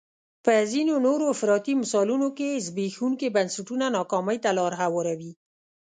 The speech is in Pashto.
په ځینو نورو افراطي مثالونو کې زبېښونکي بنسټونه ناکامۍ ته لار هواروي.